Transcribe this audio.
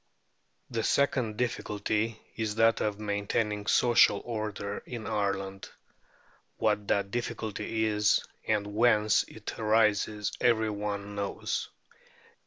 The second difficulty is that of maintaining social order in Ireland. What that difficulty is, and whence it arises, every one knows.